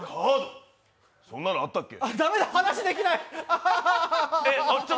そんなのあったっけ？